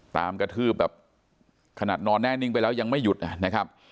ตามกระทืบแบบขนาดนอนแน่นิ่งไปแล้วยังไม่หยุดนะครับ